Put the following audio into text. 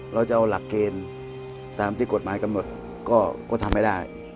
เราจะเอาหลักเกณฑ์ตามที่กฎหมายกำหนดก็ทำไม่ได้